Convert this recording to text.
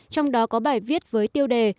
trong đó có bài viết với tiêu đề